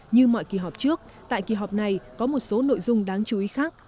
như mọi kỳ họp trước tại kỳ họp này có một số nội dung đáng chú ý khác